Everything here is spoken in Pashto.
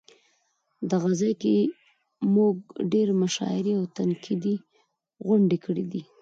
دغه ځای کې مونږ ډېرې مشاعرې او تنقیدي غونډې کړې دي.